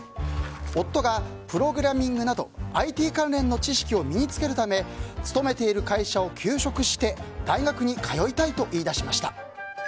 夫がプログラミングなどＩＴ関連の知識を身に着けるため勤めている会社を休職して大学に通いたいと言い出しました。